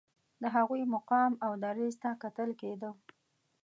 د هغوی مقام او دریځ ته کتل کېده.